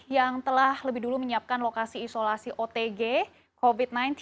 yang telah lebih dulu menyiapkan lokasi isolasi otg covid sembilan belas